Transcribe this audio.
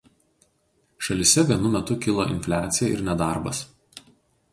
Šalyse vienu metu kilo infliacija ir nedarbas.